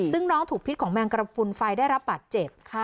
ซึ่งน้องถูกพิษของแมงกระพุนไฟได้รับบาดเจ็บ